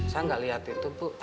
saya gak liat itu bu